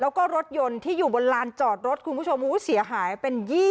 แล้วก็รถยนต์ที่อยู่บนลานจอดรถคุณผู้ชมเสียหายเป็น๒๐